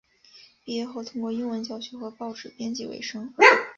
毕业后通过英文教学和报纸编辑维生。